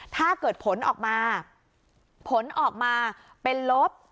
ถ้าเกิดผลออกมาผลออกมาเป็นลบ